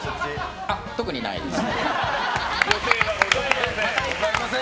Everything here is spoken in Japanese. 特にないです。